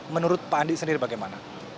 menurut pak andi sendiri bagaimana